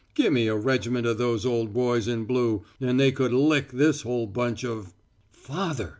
Gimme a regiment of those old boys in blue, and they could lick this whole bunch of " "Father!"